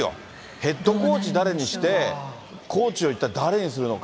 ヘッドコーチ誰にして、コーチを一体誰するのか。